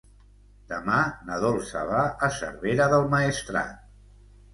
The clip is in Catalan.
Demà na Dolça va a Cervera del Maestrat.